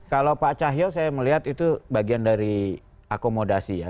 kalau pak cahyo saya melihat itu bagian dari akomodasi ya